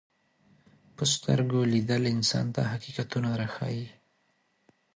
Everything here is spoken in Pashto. په سترګو لیدل انسان ته حقیقتونه راښيي